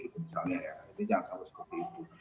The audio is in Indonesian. misalnya ya jangan sampai seperti itu